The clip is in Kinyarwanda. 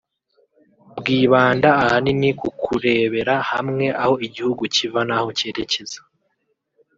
bwibanda ahanini ku kurebera hamwe aho igihugu kiva n’aho cyerekeza